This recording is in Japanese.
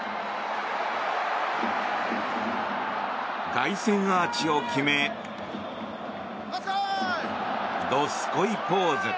凱旋アーチを決めどすこいポーズ。